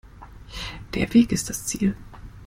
Der Weg ist das Ziel.